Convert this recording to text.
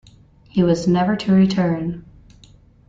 He was never to return.